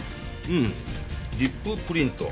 うんリッププリント。